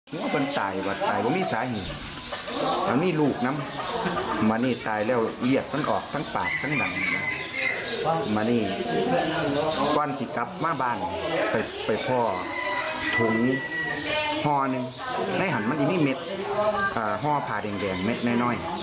เป็นก้อนหลังอยากกินผัวความถือทุยจากน้อย